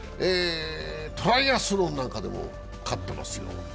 トライアスロンなんかでも勝ってます。